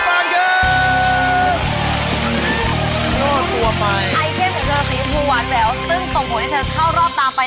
ซึ่งส่งหมดให้เธอเข้ารอบตามไป